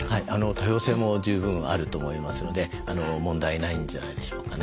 多様性も十分あると思いますので問題ないんじゃないでしょうかね。